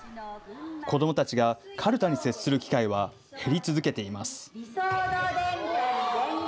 子どもたちがかるたに接する機会は減り続けています。